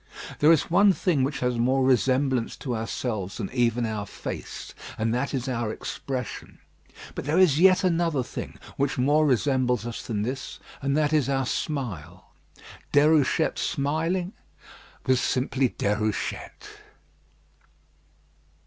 There is one thing which has more resemblance to ourselves than even our face, and that is our expression: but there is yet another thing which more resembles us than this, and that is our smile. Déruchette smiling was simply Déruchette.